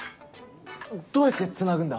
どうやってつなぐんだ？